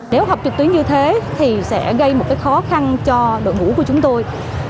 nếu học trực tuyến như thế thì sẽ gây một cái khó khăn cho đội ngũ của chúng tôi